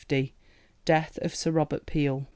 Death of Sir Robert Peel.